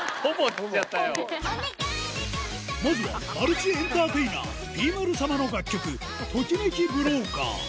まずはマルチエンターテイナー、Ｐ丸様。の楽曲、ときめきブローカー。